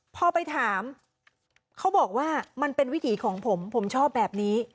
พอไปถามเขาบอกว่ามันเป็นวิถีของผมผมชอบแบบนี้